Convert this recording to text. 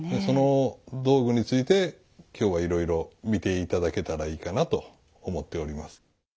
その道具について今日はいろいろ見て頂けたらいいかなと思っております。